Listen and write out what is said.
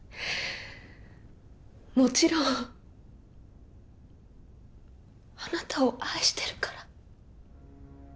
もちろんあなたを愛してるから。